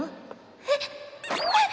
えっ？えっ！